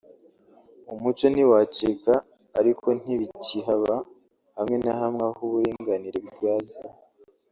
umuco ntiwacika ariko ntibikihaba hamwe na hamwe aho uburinganire bwaziye